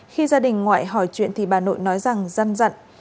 khi gia đình ngoại hỏi chuyện thì bà nội nói rằng răn rặn